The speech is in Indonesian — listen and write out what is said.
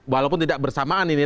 walaupun tidak bersamaan ini